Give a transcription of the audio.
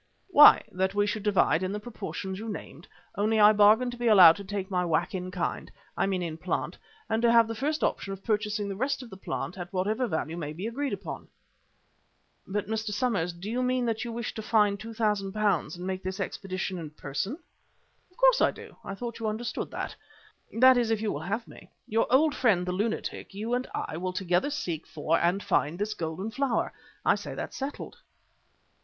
"Why, that we should divide in the proportions you named, only I bargain to be allowed to take my whack in kind I mean in plant, and to have the first option of purchasing the rest of the plant at whatever value may be agreed upon." "But, Mr. Somers, do you mean that you wish to find £2,000 and make this expedition in person?" "Of course I do. I thought you understood that. That is, if you will have me. Your old friend, the lunatic, you and I will together seek for and find this golden flower. I say that's settled."